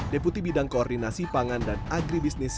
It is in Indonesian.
deputi bidang koordinasi pangan dan agribisnis